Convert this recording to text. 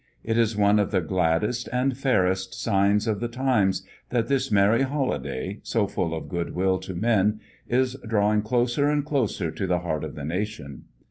It is one of the gladdest and fairest signs of the times that this merry holiday, so full of good will to men, is drawing closer and closer to the heart of the nation.